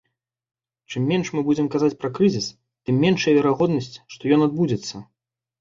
Чым менш мы будзем казаць пра крызіс, тым меншая верагоднасць, што ён адбудзецца.